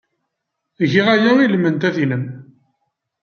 Giɣ aya i lmendad-nnem.